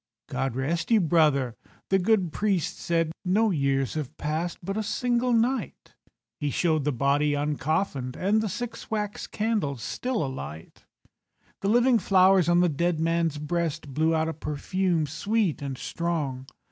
"God rest you, brother," the good priest said, "No years have passed—but a single night." He showed the body uncoffinèd, And the six wax candles still alight. The living flowers on the dead man's breast Blew out a perfume sweet and strong.